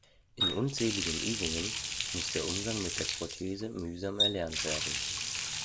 In unzähligen Übungen muss der Umgang mit der Prothese mühsam erlernt werden.